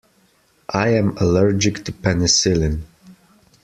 I am allergic to penicillin.